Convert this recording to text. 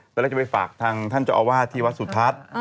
ตลอดพี่ชิโกะไปฝากทางท่านจอวาลที่วัดสุรทัศน์